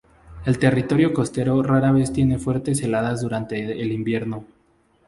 El territorio costero rara vez tiene fuertes heladas durante el invierno.